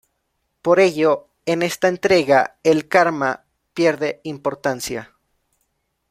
Por ello, en esta entrega el karma pierde importancia.